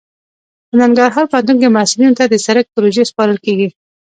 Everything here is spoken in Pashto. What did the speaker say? په ننګرهار پوهنتون کې محصلینو ته د سرک پروژې سپارل کیږي